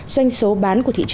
doanh số bán của thị trường ô tô